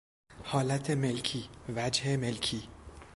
حالت ملکی، وجه ملکی